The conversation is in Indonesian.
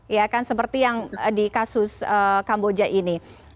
ya kan seperti yang di kasus kamboja ini